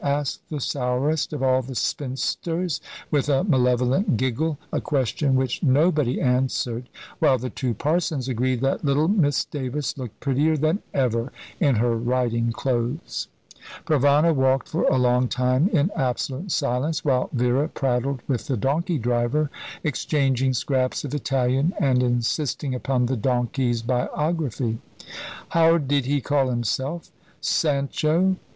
asked the sourest of all the spinsters, with a malevolent giggle a question which nobody answered while the two parsons agreed that little Miss Davis looked prettier than ever in her riding clothes. Provana walked for a long time in absolute silence, while Vera prattled with the donkey driver, exchanging scraps of Italian and insisting upon the donkey's biography. "How did he call himself?" "Sancho."